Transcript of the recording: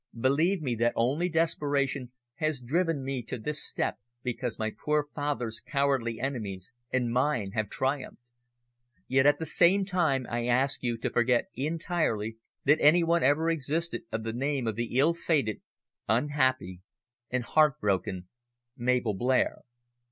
Believe me that only desperation has driven me to this step because my poor father's cowardly enemies and mine have triumphed. Yet at the same time I ask you to forget entirely that any one ever existed of the name of the ill fated, unhappy and heartbroken Mabel Blair."